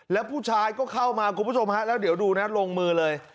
แล้วผู้ชายก็เข้ามาคุณผู้ชมฮะแล้วเดี๋ยวดูนะลงมือเลย